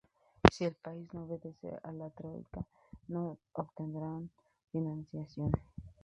Si el país no obedece a la troika, no obtendrá financiación.